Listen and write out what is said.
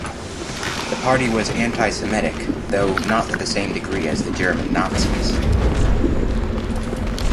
The party was antisemitic, though not to the same degree as the German Nazis.